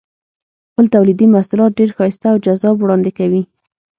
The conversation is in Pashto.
خپل تولیدي محصولات ډېر ښایسته او جذاب وړاندې کوي.